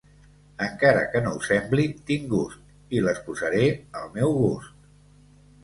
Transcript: Encara que no ho sembli, tinc gust, i les posaré al meu gust